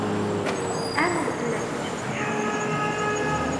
آمل ألا تنشب الحرب.